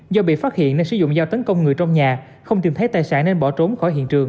do bị phát hiện nên sử dụng dao tấn công người trong nhà không tìm thấy tài sản nên bỏ trốn khỏi hiện trường